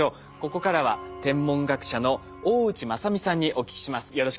ここからは天文学者の大内正己さんにお聞きします。